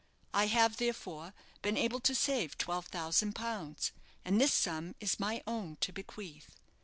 I have, therefore, been able to save twelve thousand pounds, and this sum is my own to bequeath.